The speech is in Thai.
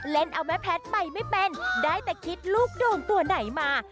เล่นเอาแม่แพทย์ไปไม่เป็นได้แต่คิดลูกโด่งตัวไหนมา